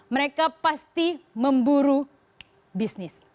mereka pasti memburu bisnis